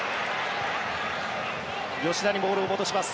吉田にボールを戻します。